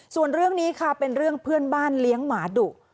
ส่วนเรื่องนี้ค่ะเป็นเรื่องเพื่อนบ้านเลี้ยงหมาดุ